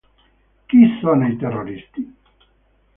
Chi sono i terroristi?